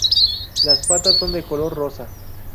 Las patas son de color rosa.